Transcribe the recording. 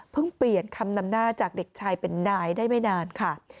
เปลี่ยนคำนำหน้าจากเด็กชายเป็นนายได้ไม่นานค่ะ